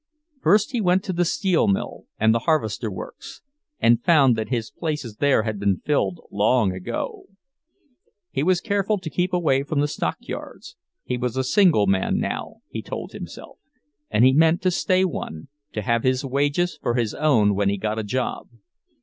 First he went to the steel mill and the harvester works, and found that his places there had been filled long ago. He was careful to keep away from the stockyards—he was a single man now, he told himself, and he meant to stay one, to have his wages for his own when he got a job.